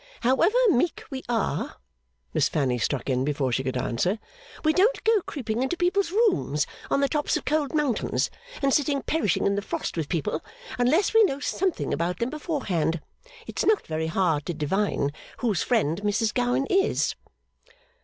'However meek we are,' Miss Fanny struck in before she could answer, 'we don't go creeping into people's rooms on the tops of cold mountains, and sitting perishing in the frost with people, unless we know something about them beforehand. It's not very hard to divine whose friend Mrs Gowan is.